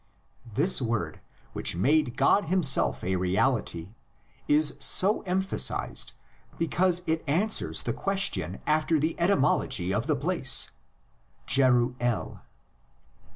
This word, which made God himself a reality, is so emphasised because it answers the question after the etymology of the place (Jeruel).